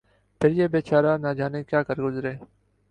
پھر یہ بے چارہ نہ جانے کیا کر گزرے